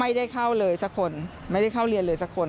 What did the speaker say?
ไม่ได้เข้าเลยสักคนไม่ได้เข้าเรียนเลยสักคน